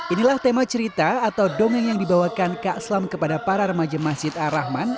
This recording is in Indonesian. inilah tema cerita atau dongeng yang dibawakan kak slam kepada para remaja masjid ar rahman